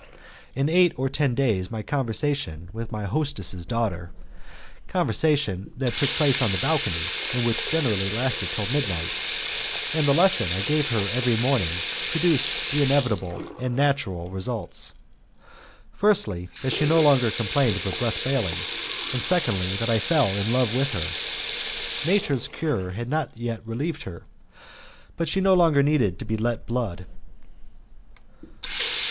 In eight or ten days my conversation with my hostess' daughter conversation which took place on the balcony, and which generally lasted till midnight and the lesson I gave her every morning, produced the inevitable and natural results; firstly, that she no longer complained of her breath failing, and, secondly, that I fell in love with her. Nature's cure had not yet relieved her, but she no longer needed to be let blood.